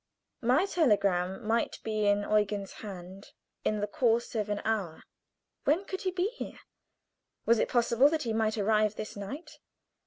My telegram might be in Eugen's hand in the course of an hour. When could he be here? Was it possible that he might arrive this night?